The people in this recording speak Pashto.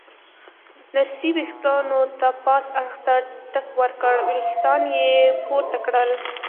نرسې ورېښتانو ته پاس اړخ ته ټک ورکړ، ورېښتان یې پورته کړل.